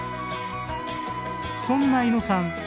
そんな伊野さん